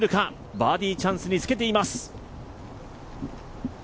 バーディーチャンスにつけています。